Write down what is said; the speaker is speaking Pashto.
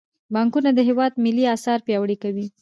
بانکونه د هیواد ملي اسعار پیاوړي کوي.